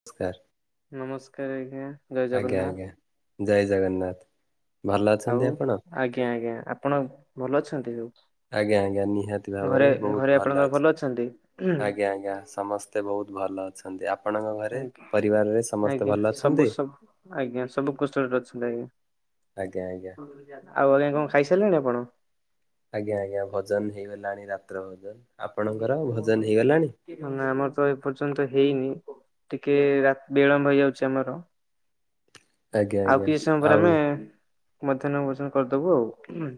ନମସ୍କାର [inaudible] ନମସ୍କାର ଆଜ୍ଞା ଜୟ ଆଜ୍ଞା ଜଗନ୍ନାଥ ଆଜ୍ଞା ଜୟ ଜଗନ୍ନାଥ ଭଲ ଆଉ ଅଛନ୍ତି ଆପଣ? ଆଜ୍ଞା ଆଜ୍ଞା ଆପଣ ଭଲ ଅଛନ୍ତି ଯଉ। ଆଜ୍ଞା ଆଜ୍ଞା ନିହାତି ଭାବରେ ଘରେ ବହୁତ ଭଲ ଆପଣଙ୍କର ଅଛି ଅଛନ୍ତି? ଆଜ୍ଞା ଆଜ୍ଞା ସମସ୍ତେ ବହୁତ ଭଲ ଅଛନ୍ତି। ଆପଣଙ୍କ ଘରେ ଆଜ୍ଞା ପରିବାରରେ ସମସ୍ତେ ଆଜ୍ଞା ଭଲ ସବୁ ଅଛନ୍ତି? ସବୁ ଆଜ୍ଞା ସବୁ କଷ୍ଟରେ ଅଛନ୍ତି ଆଜ୍ଞା। ହଁ ଆଜ୍ଞା ଆଜ୍ଞା ଆଉ ଆଜ୍ଞା କଣ ଖାଇସାରିଲେଣି ଆପଣ? ଆଜ୍ଞା ଆଜ୍ଞା ଭଜନ ହେଇଗଲାଣି ରାତ୍ର ଭଜନ ଆମର ତ ଏପର୍ଯ୍ୟନ୍ତ ହେଇନି? ଟିକେ ରାତି ବିଳମ୍ବ ହେଇଯାଉଛି ଆମର। ଆଜ୍ଞା ଆଉ ଆଜ୍ଞା କିଛି ସମୟ ପରେ ଆଉ ଆମେ ମଧ୍ୟାହ୍ନ ଭୋଜନ କରିଦବୁ ଆଉ ହୁଁ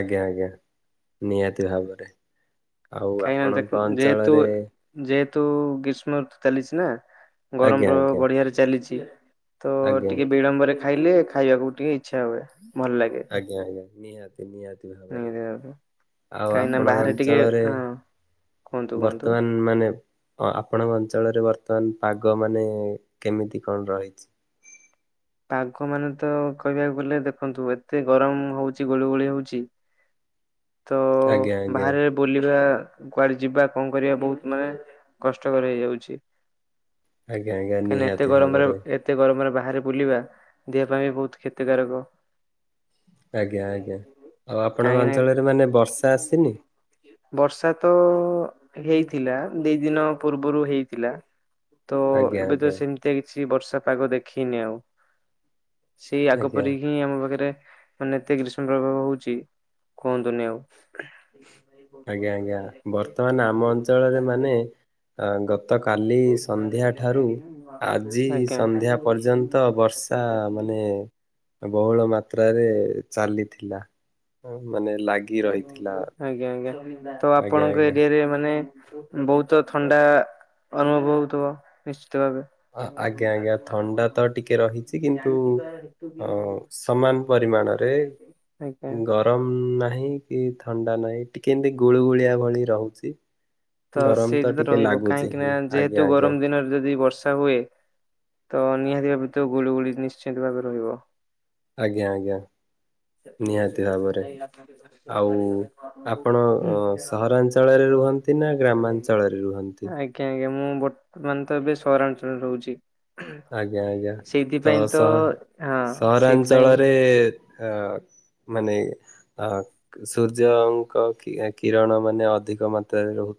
ଆଜ୍ଞା ଆଜ୍ଞା ନିହାତି ଭାବରେ ଆଉ କାାଇଁ ଆପଣଙ୍କ ଦେଖ ଯେହେତୁ ଅଞ୍ଚଳରେ ଯେହେତୁ ଋତୁ ଗ୍ରୀଷ୍ମ ଋତୁ ଚାଲିଛି ନା ଗରମ ଆଜ୍ଞା ର ଆଜ୍ଞା ବଢିଆରେ ଚାଲିଛି। ତ ଆଜ୍ଞା ଟିକେ ବିଳମ୍ବରେ ଖାଇଲେ ଖାଇବାକୁ ଟିକେ ଇଛ ଆଜ୍ଞା ଆଜ୍ଞା ନିହାତି ନିହାତି ଭାବରେ ନିହାତି ଭାବେ। ଆଉ କାହିଁକି ନା ଆପଣଙ୍କ ବାହାରେ ଟିକେ ଅଞ୍ଚଳରେ ହଁ କୁହନ୍ତୁ କୁହନ୍ତୁ। ବର୍ତ୍ତମାନ ମାନେ ଅ ଆପଣଙ୍କ ଅଞ୍ଚଳରେ ବର୍ତ୍ତମାନ ପାଗ ମାନେ କେମିତି କଣ ରହିଛି। ପାଗ ମାନେ ତ କହିବାକୁ ଗଲେ ଦେଖନ୍ତୁ ଏତେ ଗରମ ହଉଚି ଗୋଳି ଗୋଳି ହଉଛି। ତ ଆଜ୍ଞା ଆଜ୍ଞା ବାହାରେ ବୁଲିବା କୁଆଡେ ଯିବା କଣ କରିବା ବହୁତ ମାନେ କଷ୍ଟକର ହେଇଯାଉଛି। ଆଜ୍ଞା ଆଜ୍ଞା କାହିଁକ ଏତେ ନିହାତି ଗରମରେ ଭାବରେ ଏତେ ଗରମରେ ବାହାର ବାହାରେ ବୁଲିବା ଦେହ ପାଇଁ ବି ବହୁତ କ୍ଷତିକାରକ। ଆଜ୍ଞା ଆଜ୍ଞା ଆଉ ଆପଣଙ୍କ କାହିଁକି ନା ଅଞ୍ଚଳରେ ମାନେ ବର୍ଷା ଆସିନି। ବର୍ଷା ତ ହେଇଥିଲା ଦି ଦିନ ପୂର୍ବରୁ ହେଇଥିଲା। ତ ଆଜ୍ଞା ଏବେ ତ ଆଜ୍ଞା ସେମିତିଆ କିଛି ବର୍ଷା ପାଗ ଦେଖିନି ଆଉ ସେଇ ଆଗ ଆଜ୍ଞା ପରିକି ହିଁ ଆମ ଘର ପାଖରେ ମାନେ ଏତେ ଗ୍ରୀଷ୍ମ ପ୍ରଭାବ ହଉଛି କୁହନ୍ତୁନି ଆଉ [inaudible] ଆଜ୍ଞା ଆଜ୍ଞା ବର୍ତ୍ତମାନ ଆମ ଅଞ୍ଚଳରେ ମାନେ ଅ ଗ ଗତ କାଲି ସନ୍ଧ୍ୟା ଠାରୁ ଆଜି ଆଜ୍ଞା। ସନ୍ଧ୍ୟା ପର୍ଯ୍ୟନ୍ତ ବର୍ଷା ମାନେ ମାନେ ବହୁଳ ମାତ୍ରାରେ ଚାଲିଥିଲା। ମାନେ ଲାଗି ରହିଥିଲା। ଆଜ୍ଞା ଆଜ୍ଞା ତ ଆଜ୍ଞା ଆପଣଙ୍କ ଆଜ୍ଞା। ଏରିଆ ରେ ମାନେ ବହୁତ ଥଣ୍ଡା ଅନୁଭବ ହଉଥିବ ନିଶ୍ଚିତ ଭାବେ ଆଜ୍ଞା ଆଜ୍ଞା ଥଣ୍ଡା ତ ଟିକେ ରହିଛି। କିନ୍ତୁ ଅ ସମାନ ପରିମାଣରେ ଆଜ୍ଞା ଗରମ ନାହିଁ। ନାହିଁ କି ଥଣ୍ଡା ନାହିଁ ଟିକେ ଏମତି ଗୁଳୁ ଗୁଳିଆ ଭଳି ରହୁଛି। ତ ଗରମ ସେଇଟା ତ ଟିକେ ରହିବ ଲାଗୁଛି କାହିଁକି ନା ହିଁ ଆଜ୍ଞା ଯେହେତୁ ଆଜ୍ଞା ଗରମ ଦିନରେ ଯଦି ବର୍ଷା ହୁଏ, ତ ନିହାତି ଭାବେ ଭିତ ଗୁଳିୁଗୁଳି ନିଶ୍ଚିନ୍ତ ଭାବେ ରହିବ। ଆଜ୍ଞା ଆଜ୍ଞା ନିହାତି [unintelligible] ଭାବରେ। ଆଜ୍ଞା ଆଉ ଆଜ୍ଞା ଆପଣ ଅ, ମୁଁ ସହରାଞ୍ଚଳରେ ରୁହନ୍ତି ନା ମାନେ ଗ୍ରାମାଞ୍ଚଳରେ ତ ରୁହନ୍ତି? ଏବେ ସହରାଞ୍ଚଳରେ ରହୁଛି ଆଜ୍ଞା ଆଜ୍ଞା ସେଇଥିପାଇଁ ତ ସହ ହଁ ସେଇଥିପାଇଁ ସହରାଞ୍ଚଳରେ ଅ ମାନେ ଆ ସୂର୍ଯ୍ୟଙ୍କ କିରଣ ମାନେ ଅଧିକ ମାତ୍ରାରେ ରହୁ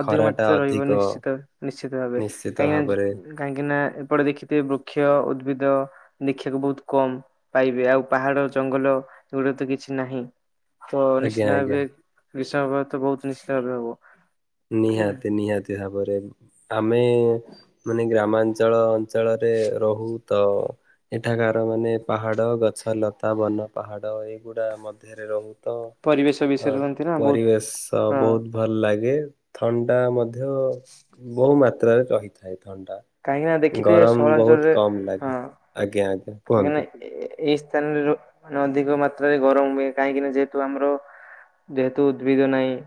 ଅଧିକ ମାତ୍ରାରେ ରହିବ ନିଶ୍ଚିତ ନିଶ୍ଚିତ ଭାବେ। ନିଶ୍ଚିତ ଭାବରେ କାହିଁକିନା କାହିଁକି ନା ଏପଟେ ଦେଖିଥିବେ ବୃକ୍ଷ ଉଦ୍ଭିଦ ଦେଖିବାକୁ ବହୁତ କମ ପାଇବେ। ଆଉ ପାହାଡ଼ ଜଙ୍ଗଲ ଏଗୁଡ଼ା ତ କିଛି ନାହିଁ। ତ ଆଜ୍ଞା ନିଶ୍ଚିନ୍ତ ଆଜ୍ଞା ଭାବେ ଗ୍ରୀଷ୍ମ ଭ ତ ବହୁତ ନିଶ୍ଚିନ୍ତ ଭାବେ ହବ। ନିହାତି ନିହାତି ଭାବରେ ଆମେ ମାନେ ଗ୍ରାମାଞ୍ଚଳ ଅଞ୍ଚଳରେ ରହୁ ତ ଏଠାକାର ମାନେ ପାହାଡ, ଗଛ, ଲତା, ବନ, ପାହାଡ ଏଇଗୁଡା ମଧ୍ୟରେ ରହୁ ତ ପରିବେଶ ଅ ବିଷୟରେ କୁହନ୍ତି ନା ବହୁତ ପରିବେଶ ହଁ ବହୁତ ଭଲ ଲାଗେ। ଥଣ୍ଡା ମଧ୍ୟ ବହୁ ମାତ୍ରାରେ ରହିଥାଏ। ଥଣ୍ଡା କାହିଁକି ନା ଦେଖିଥିବେ ଗରମ ବହୁତ କମ ଲାଗେ। ଆଜ୍ଞା ଆଜ୍ଞା। କାହିଁକିନା କୁହନ୍ତୁ। ଏଇ ସ୍ଥାନରେ ମାନେ ଅଧିକ ମାତ୍ରାରେ ଗରମ ହୁଏ। କାହିଁକି ନା ଯେହେତୁ ଆମର ଯେହେତୁ ଉଦ୍ଭିଦ ନାହିଁ।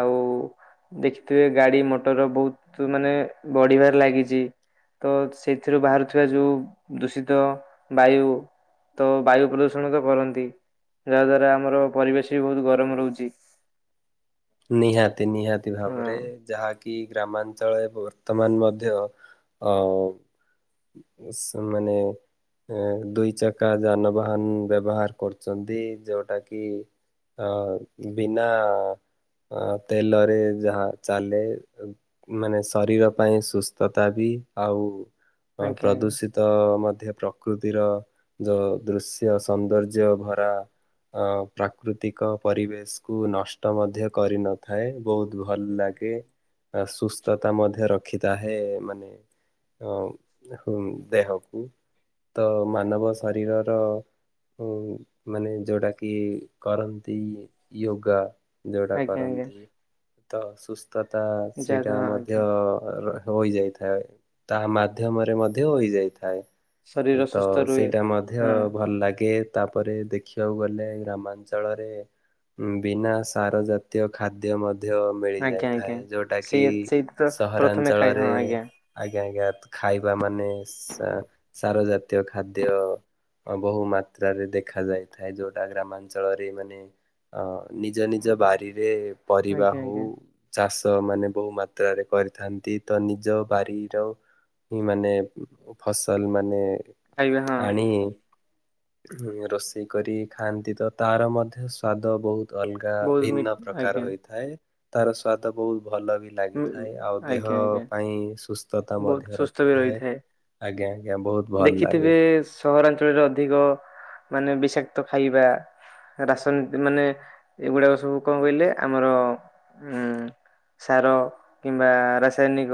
ଆଉ ଦେଖିଥିବେ ଗାଡି ମଟର ବହୁତ ମାନେ ବଢିବାରେ ଲାଗିଚି। ତ ସେଥିରୁ ବାହାରୁଥିବା ଯୋଉ ଦୂଷିତ ବାୟୁ ତ ବାୟୁ ପ୍ରଦୂଷଣ ତ କରନ୍ତି। ଯାହା ଦ୍ଵାରା ଆମର ପରିବେଶ ବି ବହୁତ ଗରମ ରହୁଚି। [inaudible] ନିହାତି ନିହାତି ଭାବରେ ଯାହା କି ଗ୍ରାମାଞ୍ଚଳ ରେ ବର୍ତ୍ତମାନ ମଧ୍ୟ ଅ ସ୍ ମାନେ ଏ ଦୁଇ ଚକା ଯାନବାହାନ ବ୍ୟବହାର କରୁଛନ୍ତି। ଯୋଉଟା କି ହଁ ବିନା ଅ ତେଲରେ ଯାହା ଚାଲେ ମାନେ ଶରୀର ପାଇଁ ସୁସ୍ଥତା ବି। ଆଉ ଆଜ୍ଞା ଆଜ୍ଞା ପ୍ରଦୂଷିତ ମଧ୍ୟ ପ୍ରକୃତିର ଯଉ ଦୃଶ୍ୟ ସୌନ୍ଦର୍ଯ୍ୟ ଭରା ଆ ପ୍ରାକୃତିକ ପରିବେଶକୁୁ ନଷ୍ଟ ମଧ୍ୟ କରିନଥାଏ। ବହୁତ ଭଲ ଲାଗେ। ଆ ସୁ ସୁସ୍ଥତା ମଧ୍ୟ ରଖିଥାଏ ମାନେ ଅ ଦେହକୁ। ତ ମାନବ ଶରୀରର ଉଁ ମାନେ ଯୋଉଟା କି କରନ୍ତି ୟୋଗା ଯୋଉଟା ଆଜ୍ଞା ଆଜ୍ଞା। କରନ୍ତି ତ ସୁସ୍ ସୁସ୍ଥତା ଯା ସେଇଟା ହଁ ମଧ୍ୟ ଆଜ୍ଞା ହୋଇଯାଇଥାଏ। ତାହା ମାଧ୍ୟମରେ ମଧ୍ୟ ହୋଇଯାଇଥାଏ। ଶରୀର ତ ସୁସ୍ଥ ରୁହେ ସେଇଟା ମଧ୍ୟ ହଁ ଭଲ ଲାଗେ। ତାପରେ ଦେଖିବାକୁ ଗଲେ ଗ୍ରାମାଞ୍ଚଳରେ ବିନା ସାର ଜା ତ୍ୟ ଖାଦ୍ୟ ମ ମଧ୍ୟ ଆଜ୍ଞା ଆଜ୍ଞା। ମିଳିଯାଇଥାଏ। ଯେଉଁଟା କିି ସେଇ ସେଇଠି ତ ପ୍ରଥମେ ଖାଇ ହଁ ସହରାଞ୍ଚଳରେ ଆଜ୍ଞା ଆଜ୍ଞା ଆଜ୍ଞା। ଖାଇବା ମାନେ ସା ସାର ଜାତୀୟ ଖାଦ୍ୟ ବହୁ ମାତ୍ରାରେ ଦେଖା ଯାଇଥାଏ। ଯୋଉଟା ଗ୍ରାମାଞ୍ଚଳରେ ମାନେ ଅ ନିଜ ନିଜ ବାରିରେ ପରିବା ଆଜ୍ଞା ହଉ ଆଜ୍ଞା ଚାଷ ମାନେ ବହୁ ମା ମାତ୍ରାରେ କରିଥାନ୍ତି। ତ ନିଜ ବାରିର ହିଁ, ମାନେ ଫସଲ ମାନେ ଖାଇବେ ହଁ। ଆଣି ରୋଷେଇ କରି ଖାଆନ୍ତି ତ ତାର ମଧ୍ୟ ସ୍ଵାଦ ବହୁତ ଅଲଗା ବହୁତ ମି ଭିନ୍ନ। ପ୍ରକାର ଆଜ୍ଞା ହୋଇଥାଏ। ତାର ସ୍ଵାଦ ବହୁତ ଭଲ ବି ଲାଗିଥାଏ। ଆଉ ଦେହ ଆଜ୍ଞା ଆଜ୍ଞା ପାଇଁ ସୁସ୍ଥତା ବହୁତ ମଧ୍ୟ ସୁସ୍ଥ ବି ରଖିଥାଏ। ରହିଥାଏ। ଆଜ୍ଞା ଆଜ୍ଞା ବହୁତ ଭଲ ଲାଗେ। ଦେଖିଥିବେ ସହରାଞ୍ଚଳରେ ଅଧିକ ମାନେ ବିଷାକ୍ତ ଖାଇବା ରାସନୀତି ମାନେ ଏଇଗୁଡାକ ସବୁ କଣ କହିଲେ ଆମର ଉଁ ସାର କିମ୍ବା ରାସାୟନିକ।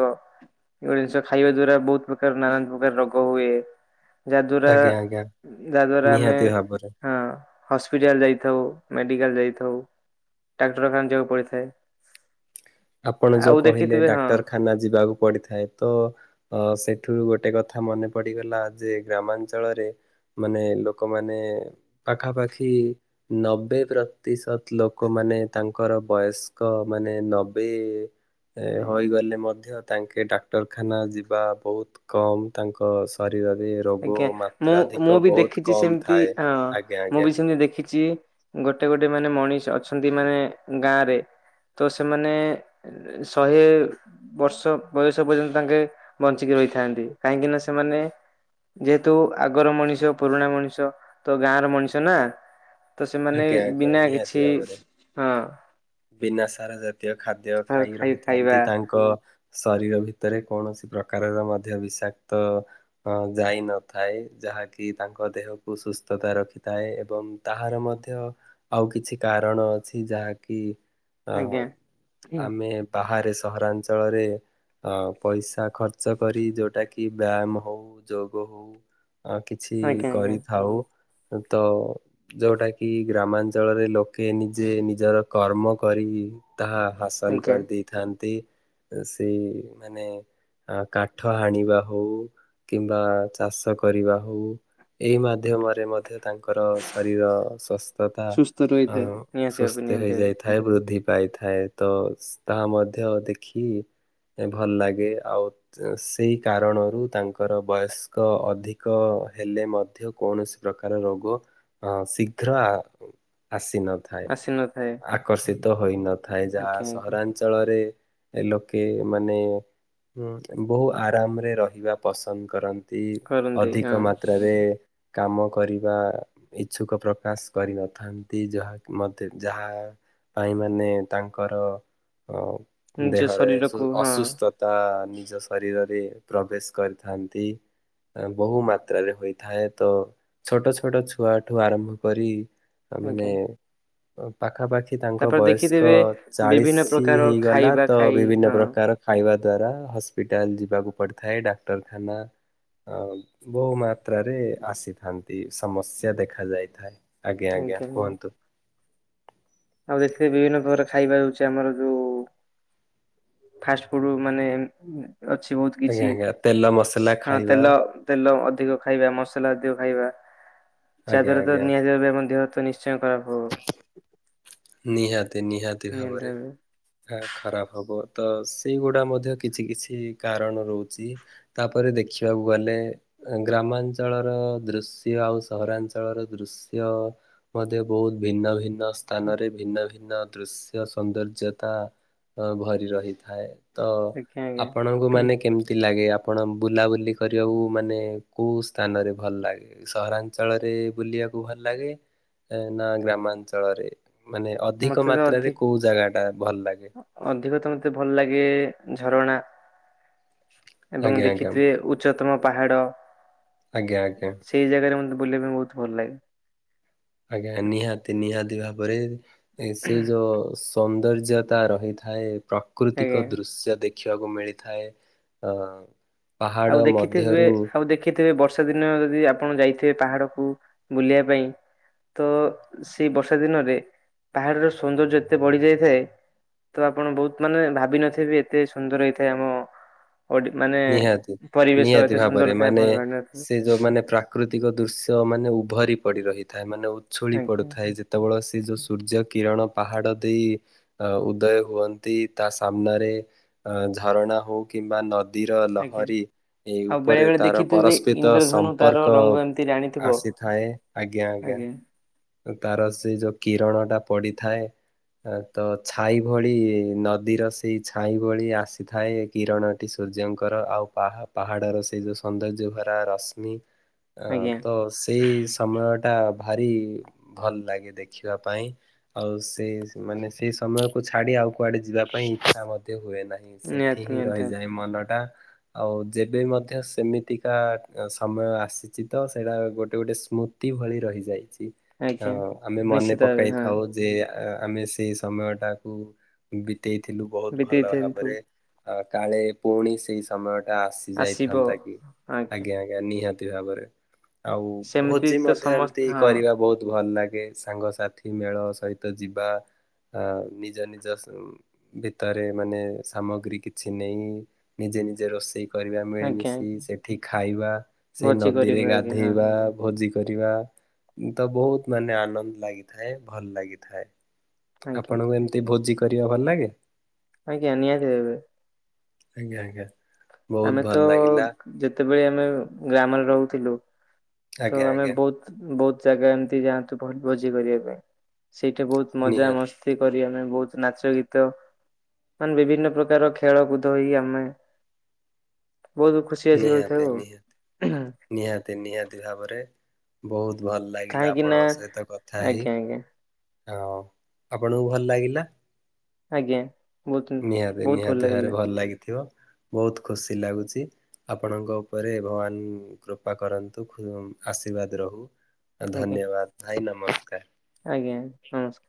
ଏଗୁଡ଼ା ଜିନିଷ ଖାଇବା ଦ୍ଵାରା ବହୁତ ପ୍ରକାର ନାନା ପ୍ରକାର ରୋଗ ହୁଏ। ଆଜ୍ଞା ଆଜ୍ଞା ଯାହାଦ୍ୱାରା ଯାହା ଦ୍ୱାରା ଆମେ ନିହାତି ଭାବରେ। ହଁ ହସ୍ପିଟାଲ ଯାଇଥାଉ। ମେଡିକାଲ ଯାଇଥାଉ ଡାକ୍ତରଖାନ ଯିବାକୁ ପଡିଥାଏ। ଆପଣ ଯୋଉ କହିଲେ ଡାକ୍ତରଖାନା ଯିବାକୁ ପଡିଥାଏ ତ ଅ ସେଠୁ ଗୋଟେ କଥା ମନେ ପଡ଼ିଗଲା ଯେ ଗ୍ରାମାଞ୍ଚଳରେ ମାନେ ଲୋକମାନେ ପାଖାପାଖି ନବେ ପ୍ରତିଶତ ଲୋକମାନେ ମାନେ ତାଙ୍କର ବୟସ୍କ ମାନେ ନବେ ଏ ହୋଇଗଲେ ମଧ୍ୟ ତାଙ୍କେ ଡାକ୍ତରଖାନା ଯିବା ବହୁତ କମ ତାଙ୍କ ଶର ଆଜ୍ଞା ମୁଁ ମୁଁ ବି ବହୁତ ଦେଖିଛି କମ୍ ସେମିତି ଥାଏ। ହଁ ଆଜ୍ଞା ମୁଁ ଆଜ୍ଞା ବି ସେମିତି ଦେଖିଛି। ଗୋଟେ ଗୋଟେ ମାନେ ମଣିଷ ଅଛନ୍ତି ମାନେ ଗାଁ ରେ। ତ ସେମାନେ ଶହେ ବର୍ଷ ବୟସ ପର୍ଯ୍ୟନ୍ତ ତାଙ୍କେ ବଞ୍ଚିକି ଅ ରହିଥାନ୍ତି କାହିଁକି ନା ସେମାନେ ଯେହେତୁ ଆଗର ମଣିଷ ପୁରୁଣା ମଣିଷ ତୋ ଗାଁ ର ମଣିଷ ନା। ତ ସେମାନେ ଆଜ୍ଞା ଆଜ୍ଞା ବିନା ନିହାତି କିଛି ଭାବରେ ହଁ ବିନା ସାର ଜାତୀୟ ଖାଦ୍ୟ ଖାଇ ରହିଥାନ୍ତି ତାଙ୍କ ଶରୀର ଭିତରେ କୌଣସି ପ୍ରକାରର ମଧ୍ୟ ବିଷାକ୍ତ ଅ ଯାଇନଥାଏ। ଯାହାକି ତାଙ୍କ ଦେହକୁ ସୁସ୍ଥତା ରଖିଥାଏ ଏବଂ ତାହାର ମଧ୍ୟ ମଧ୍ୟ ଆଉ କିଛି କାରଣ ଅଛି ଯାହାକି ଆଜ୍ଞା ଅ ଆଜ୍ଞା ଆମେ ବାହାରେ ସହରାଞ୍ଚଳରେ ଅ ପଇସା ଖର୍ଚ୍ଚ କରି ଯୋଉଟା କି ବ୍ୟାୟାମ ହଉ ଯୋଗ ହଉ। ଆ କିଛି ଆଜ୍ଞା କରିଥାଉ ତ ଯୋଉଟା କି କି ଗ୍ରାମାଞ୍ଚଳରେ ଲୋକେ ନିଜେ ନିଜର କର୍ମ କରି ତାହା ହାସଲ ଆଜ୍ଞା କରିଦେଇଥାନ୍ତି ସେ ମାନେ ଆ କାଠ ହାଣିବା ହଉ କିମ୍ବା ଚାଷ କରିବା ହଉ। ଏଇ ମାଧ୍ୟମରେ ମଧ୍ୟ ତାଙ୍କର ଶରୀର ସସ୍ଥତା ସୁସ୍ଥ ଆ ରହିଥାଏ ନିହାତି ଭାବେ ସୁସ୍ଥ ନିହାତି ଭାବେ ହେଇଯାଇଥାଏ ବୃଦ୍ଧି ଗାଇଥାଏ ତ ତାହା ମଧ୍ୟ ଦେଖି ଭଲ ଲାଗେ ଆଉ ସେଇ କାରଣରୁ ତାଙ୍କର ବୟସ୍କ ଅଧିକ ହେଲେ ମଧ୍ୟ କୌଣସି ପ୍ରକାର ରୋଗ ଆ ଶି ଶୀଘ୍ର ଆସିନଥାଏ ଆସିନଥାଏ ଆକର୍ଷିତ ହୋଇନଥାଏ। ଥାଏ ଯାହା ଆଜ୍ଞା ଆଜ୍ଞା ସହରାଞ୍ଚଳରେ ଲୋକେ ମାନେ ବହୁ ଆରାମରେ ରହିବା ପସନ୍ଦ କରନ୍ତି। କରନ୍ତି ଅଧିକ ହଁ। ମାତ୍ରାରେ କାମ କରିବା ଇଚ୍ଛୁକ ପ୍ର ପ୍ରକାଶ କରିନଥାନ୍ତି ଯାହା ମତେ ଯାହା ଭାଇ ମାନେ ତାଙ୍କର ହ ନିଜ ଦେହରେ ସୁ ଶରୀରକୁ ହଁ ଅସୁସ୍ଥତା ନିଜ ଶରୀରରେ ପ୍ରବେଶ କରିଥାନ୍ତି। ବହୁ ମାତ୍ରାରେ ହୋଇଥାଏ ତ ଛୋଟ ଛୋଟ ଛୁଆ ଠୁ ଆରମ୍ଭ କରି ମାନେ ଆଜ୍ଞା ପାଖାପାଖି ଖି ତାଙ୍କ ତାପରେ ବୟସ୍କ ଦେଖିଥିବେ ବିଭିନ୍ନ ଚାଳିଶ ପ୍ରକାର ହେଇଗଲା ଖାଇବା ତ ଖାଇ ବିଭିନ୍ନ ହଁ ପ୍ରକାର ଖାଇବା ଦ୍ଵାରା ହସ୍ପିଟାଲ ଯିବାକୁ ପଡିଥାଏ ଡାକ୍ତରଖାନା। ଅ ବହୁ ମାତ୍ରାରେ ଆସିଥାନ୍ତି ସମସ୍ୟା ଦେଖା ଯାଇଥାଏ। ଆଜ୍ଞା ଆଜ୍ଞା କୁହନ୍ତୁ। ଆଉ ଦେଖିଥିବେ ବିଭିନ୍ନ ପ୍ରକାର ଖାଇବା ହଉଛି ଆମର ଯୋଉ ଫାଷ୍ଟ ଫୁଡ଼ୁ ମାନେ ଅଛି ବହୁତ ଆଜ୍ଞା କିଛି ଆଜ୍ଞା ତେଲ ମସଲା ଖାଇବା ତେଲ ତେଲ ଅଧିକ ଖାଇବା ମସଲା ଦେ ଖାଇବା ଆଜ୍ଞା ଚାଦର ତ ଆଜ୍ଞା ନିହାତିବେ ଆମ ଦେହ ତ ନିଶ୍ଚୟ ଖରାପ ହବ। ନିହାତି ନିହାତି ଭାବରେ ତା ଖରାପ ହବ। ତ ସେଇଗୁଡା ମଧ୍ୟ କିଛି କିଛି କାରଣ ରହୁଛି ତାପରେ ଦେଖିବାକୁ ଗଲେ ଗ୍ରାମାଞ୍ଚଳର ଦୃଶ୍ୟ ଆଉ ସହରାଞ୍ଚଳର ଦୃଶ୍ୟ ମତେ ବୋହୁତ ଭିନ୍ନ ଭିନ୍ନ ସ୍ଥାନରେ ଭିନ୍ନ ଭିନ୍ନ ଦୃଶ୍ୟ ସୌନ୍ଦର୍ଯ୍ୟତା ଭରି ରହିଥାଏ। ତ ଆଜ୍ଞା ଆଜ୍ଞା ଆପଣଙ୍କୁ ମାନେ କେମିତି ଲାଗେ? ଆପଣ ବୁଲାବୁଲି କରିବାକୁ ମାନେ କେଉଁ ସ୍ଥାନରେ ଭଲ ଲାଗେ ସହରାଞ୍ଚଳରେ ବୁଲିବା ଭଲ ଲାଗେ ନା ଗ୍ରାମାଞ୍ଚଳରେ ମାନେ ଅଧିକ ମତେ ତ ମାତ୍ରାରେ ଅଧି କୋଉ ଜାଗା ଟା ଭଲ ଲାଗେ? ଅଧିକ ତ ମତେ ଭଲ ଲାଗେ ଝରଣା ଏବଂ ଆଜ୍ଞା ଆଜ୍ଞା ଦେଖିଥିବେ ଉଚ୍ଚତମ ପାହାଡ ଆଜ୍ଞା ଆଜ୍ଞା ସେଇ ଜାଗାରେ ମତେ ବୁଲିବା ପାଇଁ ବୋହୁତ ଭଲ ଲାଗେ। ଆଜ୍ଞା ନିହାତି ନିହାତି ଭାବରେ ଏ ସେଇ ଯୋଉ ସୌନ୍ଦର୍ଯ୍ୟତା ରହିଥାଏ ଆଜ୍ଞା ପ୍ରାକୃତିକ ଦୃଶ୍ୟ ଦେ ଖିବାକୁ ମିଳିଥାଏ ଅ ଆଉ ପାହାଡ଼ ଦେଖିଥିବେ ମଧ୍ୟରୁ ଆଉ ଦେଖିଥିବେ ବ ବର୍ଷା ଦିନ ଯଦି ଆପଣ ଯାଇଥିବେ ପାହାଡକୁ ବୁଲିବା ପାଇଁ ତ ସେଇ ବର୍ଷା ଦିନରେ ପାହାଡର ସୌନ୍ଦର୍ଯ୍ୟ ଏତେ ବଢି ଯାଇଥାଏ। ତ ଆପଣ ବୋହୁତ ମାନେ ଭାବିନଥିବେ ଏତେ ସୁନ୍ଦର ହେଇଥାଏ ଆମ ବଡି ମାନେ ନିହାତି ପରିବେଶ ନିହାତି ଏତେ ସୁନ୍ଦର ଭାବରେ ଥାଏ ମାନେ ଆପଣ ଜାଣିନଥିବେ ସେ ଯୋଉ ମାନେ ପ୍ରାକୃତିକ ଦୃଶ୍ୟ ମାନେ ଭରି ପଡି ରହିଥାଏ ମାନେ ଉଛୁଳି ଆଜ୍ଞା। ପଡୁଥାଏ ଯେତେବେଳେ ସେ ଯେଉଁ ସୂର୍ଯ୍ୟ କିରଣ ପାହାଡ ଦେଇ ଉଦୟ ହୁଅନ୍ତି ତା ସାମ୍ନାରେ ଝରଣା ହୋଉ କି କିମ୍ବା ନଦୀର ଆଜ୍ଞା ଲହରୀ। ଏଇ ଆଉ ବେଳେ ଉପରେ ବେଳେ ତାର ଦେଖିଥିବେ ପରସ୍ପିତ ଇନ୍ଦ୍ରଧନୁ ତାର ସମ୍ପର୍କ ରଙ୍ଗ ଏମିତି ରାଣିଥିବ ଆସିଥାଏ ଆଜ୍ଞା ଆଜ୍ଞା। ଆଜ୍ଞା ତାର ସେ ଯୋଉ କିରଣ ଟା ପଡିଥାଏ। ତ ଛାଇ ଭଳି ନଦୀର ସେଇ ଛାଇ ଭଳି ଆସିଥାଏ କିରଣଟି ସୂର୍ଯ୍ୟଙ୍କର ଆଉ ପାହା-ପାହାଡର ସେଇ ଯୋଉ ସୌନ୍ଦର୍ଯ୍ୟ ଭରା ରଶ୍ମି। ଅ ଆଜ୍ଞା ତ ସେଇ ସମୟ ଟା ଭାରି ଭଲ ଲାଗେ ଦେଖିବା ପାଇଁ ଆଉ ସେ ମାନେ ସେଇ ସମୟକୁ ଛାଡି ଆଉ କୁଆଡେ ଯିବା ପାଇଁ ପାଇଁ ଇଚ୍ଛା ମଧ୍ୟ ହୁଏ ନାହିଁ ସେଠି ନିହାତି ହିଁ ନିହାତି ରହିଯାଏ ମନଟା ଆଉ ଯେବେ ମଧ୍ୟ ସେମିତିକା ସମୟ ଆସିଚି ତ ସେଇଟା ଗୋଟେ ଗୋଟେ ସ୍ମୃତି ଭଳି ରହିଯାଇଚି ଆଜ୍ଞା। [unintelligible] ଆମେ ମନେ ନିଶ୍ଚିତ ଭାବେ ହଁ ପକାଇଥାଉ ଯେ ଆମେ ସେଇ ସମୟ ଟାକୁ ବିତେଇଥିଲୁ ବୋହୁତ ଭଲ ବିତେଇଥାନ୍ତୁ ଭାବରେ। ଆ କାଳେ ପୁଣି ସେଇ ସମୟ ଟା ଆସି ଆସିବ ଯାଇଥାନ୍ତା କି ଆଜ୍ଞା ଆଜ୍ଞା ନିହାତି। ଏମିତି ଭାବରେ ଆଉ ସେମିତି ଭୋଜି ତ ମଧ୍ୟ ଏମିତି ସମସ୍ତ ହଁ କରିବା ବୋହୁତ ଭଲ ଲାଗେ ସାଙ୍ଗସାଥି ମେଳ ସହିତ ଯିବା। ଆ ନିଜ ନିଜ ଭିତରେ ମାନେ ସାମଗ୍ରୀ କିଛି ନେଇ ନି ଜେ ନିଜେ ରୋଷେଇ କରିବା ଆଜ୍ଞା ଆଜ୍ଞା ମିଳିମିଶି ସେଠି ଖାଇବା ସେଇ ଭୋଜି ନଦୀରେ କରିବେ ଆଜ୍ଞା ହଁ ଗାଧେଇବା ଭୋଜି କରିବା ତ ବୋହୁତ ମାନେ ଆନନ୍ଦ ଲାଗିଥାଏ ଭଲ ଲାଗିଥାଏ। ଆଜ୍ଞା ଆପଣଙ୍କୁ ଏମତି ଭୋଜି କରିବା ଭଲ ଲାଗେ? ଆଜ୍ଞା ନିହାତି ଭାବେ। ଆଜ୍ଞା ଆଜ୍ଞା। ବହୁତ ଆମେ ଭଲ ତ ଲାଗିଲା ଯେତେବେଳେ ଆମେ ଗ୍ରାମରେ ରହୁଥିଲୁ ତ ଆଜ୍ଞା ଆମେ ଆଜ୍ଞା ବୋହୁତ ବୋହୁତ ଜାଗା ଏମିତି ଯାଆନ୍ତୁ ଭୋ-ଭୋଜି କରିବା ପାଇଁ ସେଇଠି ବୋହୁତ ମଜା ନିହାତି ମସ୍ତି କରି ଆମେ ବୋହୁତ ନାଚ ଗୀତ ମାନେ ବିଭିନ୍ନ ପ୍ରକାର ଖେଳ କୁଦ ହୋଇ ଆମେ ବହୁତ ଖୁସି ବାସି ହୋଇଥାଉ ନିହାତି ଆଉ ନିହାତି ନିହାତି ନିହାତି ଭାବରେ ବୋହୁତ ଭଲ ଲାଗିଲା କାହିଁକି ନା ଆପଣଙ୍କ ସହିତ କଥା ହେଇ। ଆଜ୍ଞା ଆଜ୍ଞା ଆଉ ଆପଣଙ୍କୁ ଭଲ ଲାଗିଲା? ଆଜ୍ଞା ବହୁତ ନିହାତି ବହୁତ ନିହାତି ଭାବରେ ଲାଗିଲା ଭଲ ଲାଗିଥିବ ବହୁତ ଖୁସି ଲାଗୁଛି ଆପଣଙ୍କ ଉପରେ ଭଗବାନ କୃପା କରନ୍ତୁ ଆଶୀର୍ବାଦ ରହୁ ଆଜ୍ଞା ଧନ୍ୟବାଦ ଭାଇ ନମସ୍କାର ଆଜ୍ଞା ନମସ୍କାର